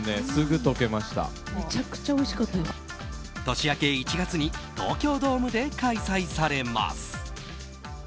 年明け１月に東京ドームで開催されます。